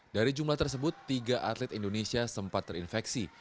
dari jumlah tersebut tiga atlet indonesia sempat terinfeksi